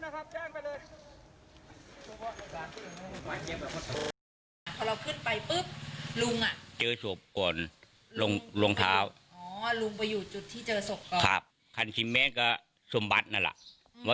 แล้วผมก็เดินลงไปเลย